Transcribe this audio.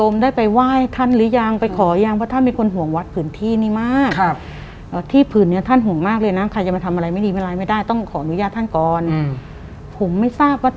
มรณะพห้าตรงไป